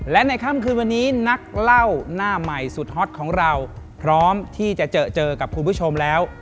และในค่ำคืนวันนี้นักเล่าหน้าใหม่สุดฮอตของเราพร้อมที่จะเจอเจอกับคุณผู้ชมแล้ว